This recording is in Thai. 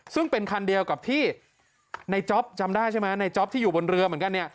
ซึ่งเป็นคันเดียวกับที่ในจ๊อปจำได้ใช่ไหมในจ๊อปที่อยู่บนเรือเหมือนกันเนี่ย